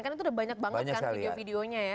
kan itu udah banyak banget kan video videonya ya